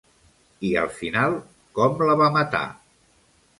I al final com la va matar?